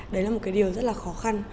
đấy là một cái điều rất là khó khăn